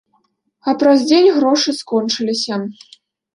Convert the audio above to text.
А праз дзень грошы скончыліся.